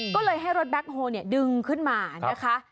ก็เลยให้รถแบ็คโฮลดึงขึ้นมานะคะ